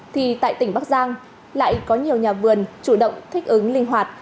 thì tại tỉnh bắc giang lại có nhiều nhà vườn chủ động thích ứng linh hoạt